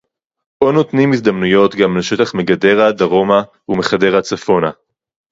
או נותנים הזדמנויות גם לשטח מגדרה דרומה ומחדרה צפונה